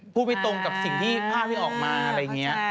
พูดไม่ตรงกับสิ่งที่ภาพที่ออกมาอะไรอย่างนี้